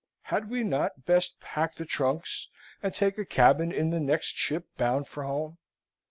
Had we not best pack the trunks and take a cabin in the next ship bound for home?"